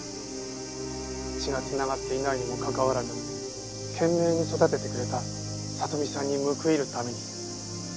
血が繋がっていないにもかかわらず懸命に育ててくれた里美さんに報いるために。